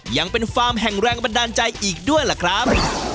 ยังเป็นฟาร์มแห่งแรงบันดาลใจอีกด้วยล่ะครับ